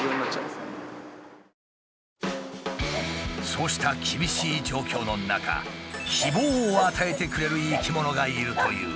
そうした厳しい状況の中希望を与えてくれる生き物がいるという。